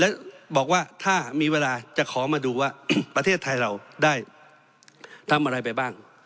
แล้วบอกว่าถ้ามีเวลาจะขอมาดูว่าประเทศไทยเราได้ทำอะไรไปบ้าง